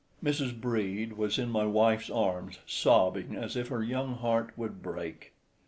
Mrs. Brede was in my wife's arms, sobbing as if her young heart would break.